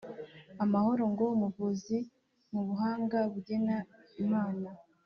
amahoro ngo umuvuzi mu buhanga bugena imana